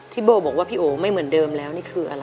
โบบอกว่าพี่โอ๋ไม่เหมือนเดิมแล้วนี่คืออะไร